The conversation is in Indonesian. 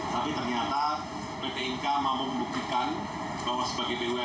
tapi ternyata pt inka mau membuktikan bahwa sebetulnya